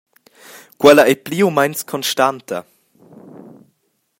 Quella ei pli u meins constanta.